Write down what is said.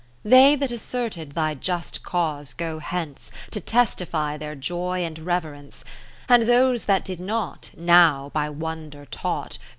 They that asserted thy Just Cause go hence To testify their joy and reverence ; And those that did not, now, by wonder taught.